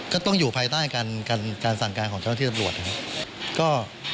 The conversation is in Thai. ก็ต้องอยู่ภายใต้การการการสั่งการของช่องที่สำหรวดนะครับก็